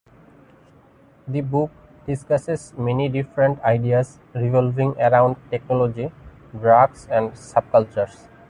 The book discusses many different ideas revolving around technology, drugs and subcultures.